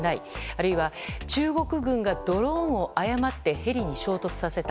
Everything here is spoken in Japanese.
あるいは中国軍がドローンを誤ってヘリに衝突させた。